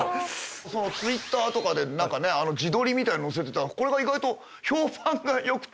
Ｔｗｉｔｔｅｒとかで何かね自撮りみたいの載せてたらこれが意外と評判が良くて。